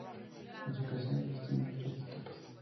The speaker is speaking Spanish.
En su creación se distinguen tres etapas.